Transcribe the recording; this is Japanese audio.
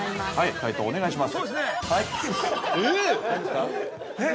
解答をお願いします。